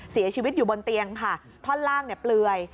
เสียชีวิตอยู่บนเตียงค่ะท่อนล่างเนี่ยเปลือย